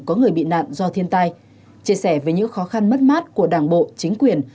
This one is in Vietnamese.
có người bị nạn do thiên tai chia sẻ về những khó khăn mất mát của đảng bộ chính quyền